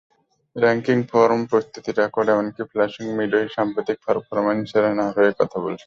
Ranking, form, প্রস্তুতি, রেকর্ড—এমনকি Flushing মিডোয় সাম্প্রতিক পারফরম্যান্সও সেরেনার হয়েই কথা বলছে।